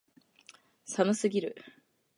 寒すぎる